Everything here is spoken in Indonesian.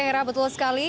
herah betul sekali